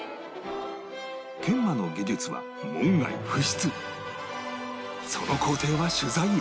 研磨の技術は門外不出